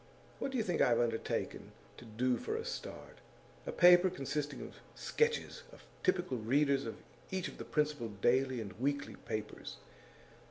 What do you think I have undertaken to do, for a start? A paper consisting of sketches of typical readers of each of the principal daily and weekly papers.